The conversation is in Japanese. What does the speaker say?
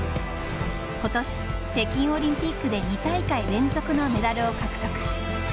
今年、北京オリンピックで２大会連続のメダルを獲得。